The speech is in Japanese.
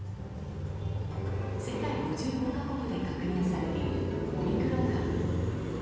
世界５５か国で確認されているオミクロン株。